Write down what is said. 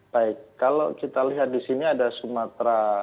baik kalau kita lihat di sini ada sumatera